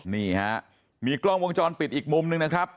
นี่ฮะมีกล้องวงจรปิดอีกมุมนึงนะครับ